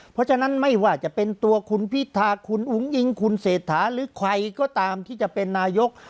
เพราะฉะนั้นไม่ว่าจะเป็นตัวคุณพิธาคุณอุ้งอิงคุณเศรษฐาหรือใครก็ตามที่จะเป็นนายก